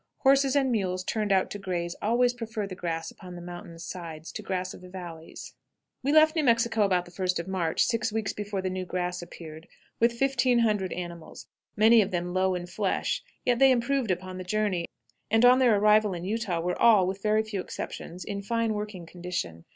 Horses and mules turned out to graze always prefer the grass upon the mountain sides to grass of the valleys. We left New Mexico about the first of March, six weeks before the new grass appeared, with 1500 animals, many of them low in flesh, yet they improved upon the journey, and on their arrival in Utah were all, with very few exceptions, in fine working condition.